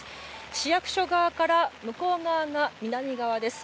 市役所側から向こう側が南側です。